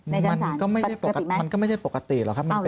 ในชั้นศาลปกติปกติมั้ยอมันก็ไม่ใช่ปกติหรอกครับ